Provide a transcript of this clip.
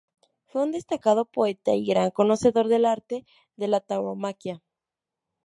Fue un destacado poeta y gran conocedor del arte de la tauromaquia.